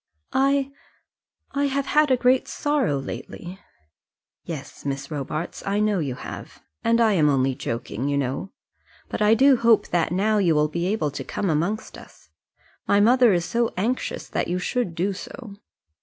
"I I I have had a great sorrow lately." "Yes, Miss Robarts; I know you have; and I am only joking, you know. But I do hope that now you will be able to come amongst us. My mother is so anxious that you should do so."